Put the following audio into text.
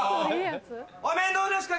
おめんどうですか！